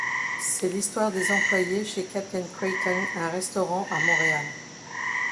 C'est l'histoire des employés chez Capitain Creighton, un restaurant à Montréal.